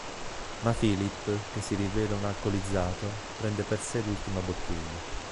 Ma Philip, che si rivela un alcolizzato, prende per sé l'ultima bottiglia.